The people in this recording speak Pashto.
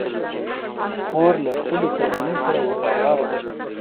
خور له خپلې کورنۍ سره وفاداره ده.